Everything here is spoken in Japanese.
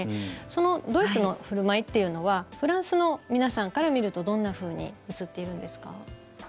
そのドイツの振る舞いというのはフランスの皆さんから見るとどんなふうに映っているんですか？